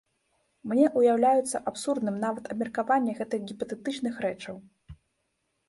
Мне ўяўляецца абсурдным нават абмеркаванне гэтых гіпатэтычных рэчаў.